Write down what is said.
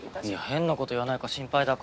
変なこと言わないか心配だから。